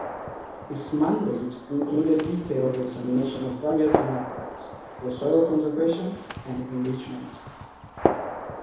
Its mandate included detailed examination of various methods for soil conservation and enrichment.